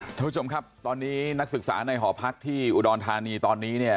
ท่านผู้ชมครับตอนนี้นักศึกษาในหอพักที่อุดรธานีตอนนี้เนี่ย